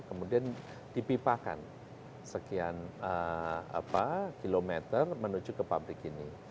kemudian dipipahkan sekian kilometer menuju ke pabrik ini